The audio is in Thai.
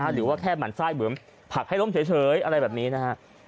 หรือว่าแค่หมั่นไส้เหมือนผักให้ล้มเฉยอะไรแบบนี้นะฮะ